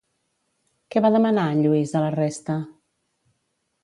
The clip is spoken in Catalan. Què va demanar en Lluís a la resta?